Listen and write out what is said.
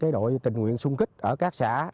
các đội tình nguyện xung kích ở các xã